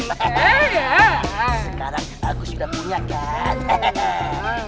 sekarang aku sudah punya kan